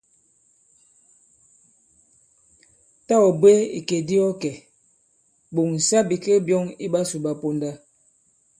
Tâ ɔ̀ bwě ìkè di ɔ kɛ̀, ɓòŋsa bìkek byɔ̄ŋ i ɓasū ɓa ponda.